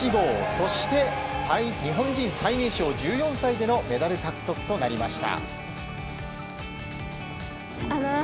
そして、日本人史上最年少１４歳でのメダル獲得となりました。